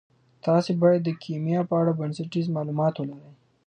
تاسي باید د کیمیا په اړه بنسټیز معلومات ولرئ.